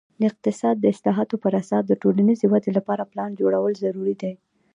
د اقتصاد د اصلاحاتو پر اساس د ټولنیزې ودې لپاره پلان جوړول ضروري دي.